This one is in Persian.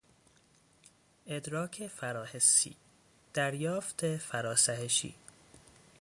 ادراک فراحسی، دریافت فراسهشی